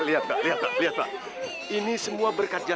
sampai ketemu mulu lama